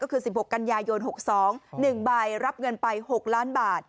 ก็คือ๑๖กันยายน๖๒๑ใบรับเงินไป๖ล้านบาท